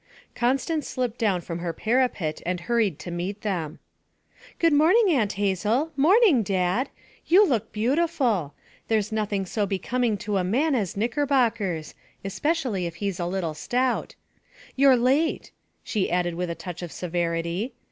Constance slipped down from her parapet and hurried to meet them. 'Good morning, Aunt Hazel. Morning, Dad! You look beautiful! There's nothing so becoming to a man as knickerbockers especially if he's a little stout. You're late,' she added with a touch of severity.